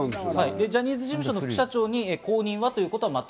ジャニーズ事務所の副社長も辞められたということ？